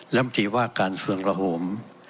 และมติว่าการสุภัณฑ์ระห่ม